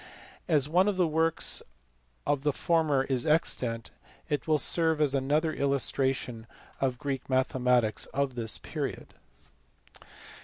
As one of the works of the former is extant it will serve as another illustration of Greek mathe matics of this period.